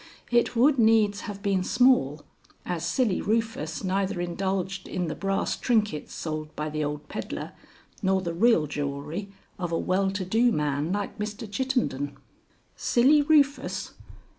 It would needs have been small, as Silly Rufus neither indulged in the brass trinkets sold by the old peddler nor the real jewelry of a well to do man like Mr. Chittenden." "Silly Rufus?"